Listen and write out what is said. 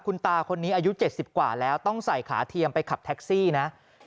คุณตาคนนี้อายุ๗๐กว่าแล้วต้องใส่ขาเทียมไปขับแท็กซี่นะ